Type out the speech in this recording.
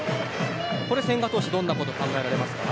千賀投手、どんなことが考えられますか。